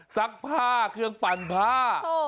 ซักผ้าเครื่องปั่นผ้า